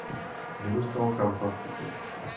Vyrůstal v Kansas City.